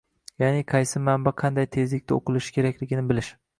Yaʼni, qaysi manba qanday tezlikda oʻqilishi kerakligini bilish